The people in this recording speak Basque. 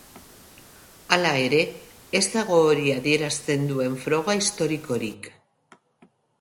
Hala ere, ez dago hori adierazten duen froga historikorik.